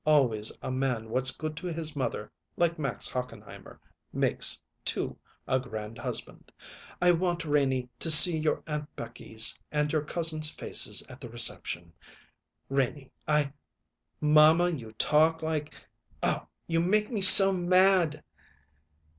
Always a man what's good to his mother, like Max Hochenheimer, makes, too, a grand husband. I want, Renie, to see your Aunt Becky's and your cousins' faces at the reception. Renie I " "Mamma, you talk like Oh, you make me so mad."